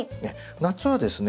夏はですね